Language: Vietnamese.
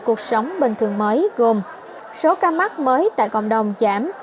cuộc sống bình thường mới gồm số ca mắc mới tại cộng đồng giảm